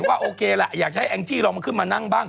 ว่าโอเคล่ะอยากจะให้แองจี้ลองมาขึ้นมานั่งบ้าง